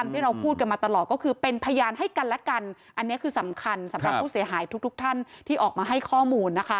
ที่เราพูดกันมาตลอดก็คือเป็นพยานให้กันและกันอันนี้คือสำคัญสำหรับผู้เสียหายทุกทุกท่านที่ออกมาให้ข้อมูลนะคะ